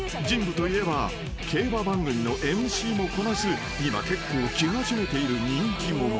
［神部といえば競馬番組のＭＣもこなす今結構き始めている人気者］